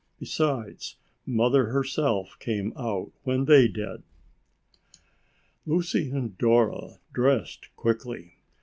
Besides, Mother herself came out when they did. Lucy and Dora dressed quickly.